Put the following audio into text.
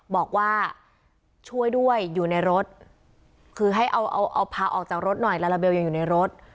บอกว่าช่วยด้วยอยู่ในรถคือให้เอาเอาพาออกจากรถหน่อยลาลาเบลยังอยู่ในรถ